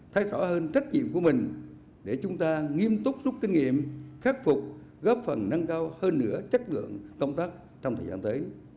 thay rõ hơn trách nhiệm của mình để chúng ta nghiêm túc rút kinh nghiệm khắc phục góp phần nâng cao hơn nữa chất lượng công tác trong thời gian tới